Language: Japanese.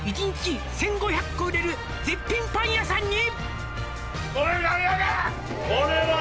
「１日１５００個売れる絶品パン屋さんに」